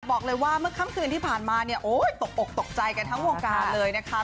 บอกเลยว่าเมื่อค่ำคืนที่ผ่านมาเนี่ยโอ้ยตกอกตกใจกันทั้งวงการเลยนะคะ